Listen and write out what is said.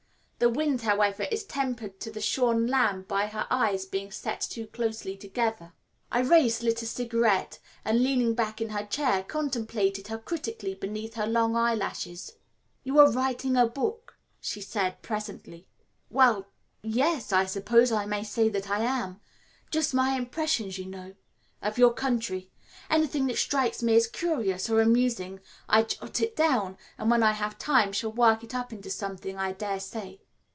The wind, however, is tempered to the shorn lamb by her eyes being set too closely together. Irais lit a cigarette, and leaning back in her chair, contemplated her critically beneath her long eyelashes. "You are writing a book?" she asked presently. "Well yes, I suppose I may say that I am. Just my impressions, you know, of your country. Anything that strikes me as curious or amusing I jot it down, and when I have time shall work it up into something, I daresay."